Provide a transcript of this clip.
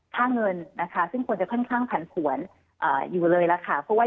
ค่าเงินนะคะซึ่งควรจะค่อนผลันผวนอยู่เลยล่ะค่ะเพราะว่า